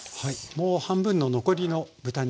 もう半分の残りの豚肉ですね。